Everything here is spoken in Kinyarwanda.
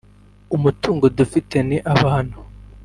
umutungo dufite ni abantu